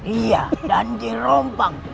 dia dan dirompang